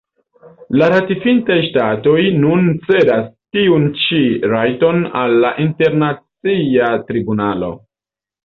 La ratifintaj ŝtatoj nun cedas tiun ĉi rajton al la Internacia Tribunalo.